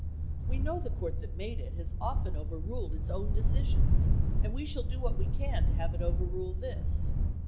We know the court that made it has often overruled its own decisions and we shall do what we can to have it overrule this.